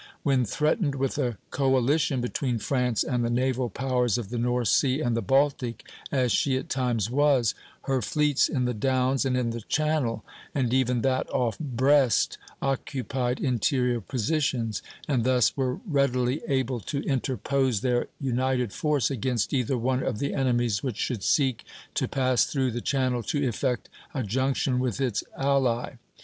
When threatened with a coalition between France and the naval powers of the North Sea and the Baltic, as she at times was, her fleets in the Downs and in the Channel, and even that off Brest, occupied interior positions, and thus were readily able to interpose their united force against either one of the enemies which should seek to pass through the Channel to effect a junction with its ally.